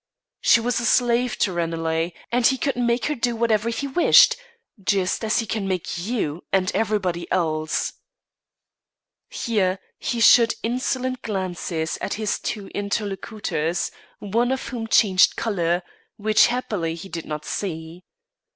She was a slave to Ranelagh, and he could make her do whatever he wished, just as he can make you and everybody else." Here he shot insolent glances at his two interlocutors, one of whom changed colour which, happily, he did not see.